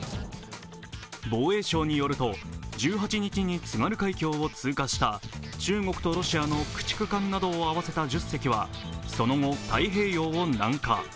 防衛省によると、１８日に津軽海峡を通過した中国とロシアの駆逐艦などを合わせた１０隻はその後、太平洋を南下。